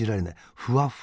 ふわふわ。